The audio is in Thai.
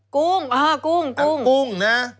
กุ้งอ่ากุ้งกุ้ง